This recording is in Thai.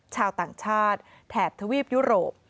ชาวต่างชาติแถบทวีปยุโรป